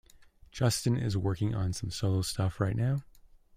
Justin is working on some solo stuff right now.